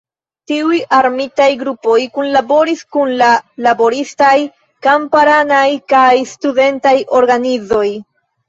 Tiuj armitaj grupoj kunlaboris kun la laboristaj, kamparanaj kaj studentaj organizoj.